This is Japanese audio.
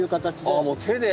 あっもう手で。